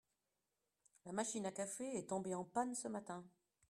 La machine à café est tombée en panne ce matin